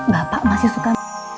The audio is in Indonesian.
bapak masih suka